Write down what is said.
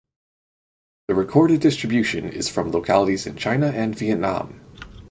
The recorded distribution is from localities in China and Vietnam.